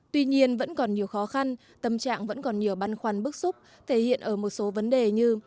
tuy nhiên vẫn còn nhiều khó khăn tâm trạng vẫn còn nhiều băn khoăn bức xúc thể hiện ở một số vấn đề như